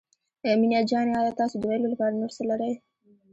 مينه جانې آيا تاسو د ويلو لپاره نور څه لرئ.